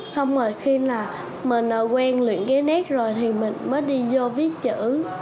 xong rồi khi là mình quen luyện cái nét rồi thì mình mới đi vô viết chữ